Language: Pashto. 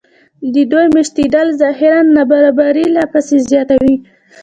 د دوی مېشتېدل ظاهري نابرابري لا پسې زیاتوي